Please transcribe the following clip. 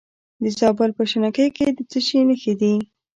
د زابل په شنکۍ کې د څه شي نښې دي؟